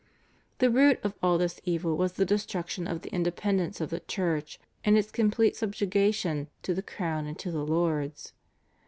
The root of all this evil was the destruction of the independence of the Church, and its complete subjugation to the crown and to the lords.